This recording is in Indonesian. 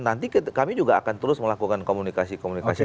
nanti kami juga akan terus melakukan komunikasi komunikasi